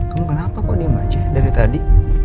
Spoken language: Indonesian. kamu kenapa kok diem aceh dari tadi